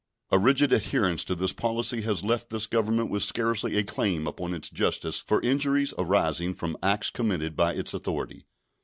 A rigid adherence to this policy has left this Government with scarcely a claim upon its justice for injuries arising from acts committed by its authority.